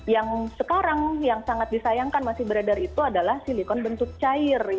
yang sekarang yang sangat disayangkan masih beredar itu adalah silikon bentuk cair